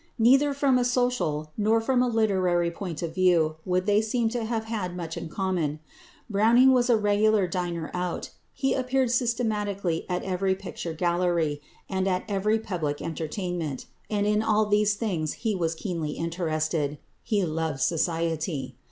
Neither from a social nor from a literary point of view would they seem to have had much in common. Browning was a regular diner out, he appeared systematically at every picture gallery, and at every public entertainment, and in all these things he was keenly interested: he loved society.